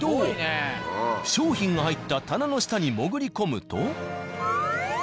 商品が入った棚の下に潜り込むと。